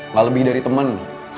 nggak lebih dari teman